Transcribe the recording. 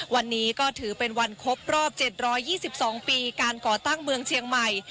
วันนี้ก็ถือเป็นวันครบรอบ๗๒๒ปีการก่อตั้งเมืองเชียงใหม่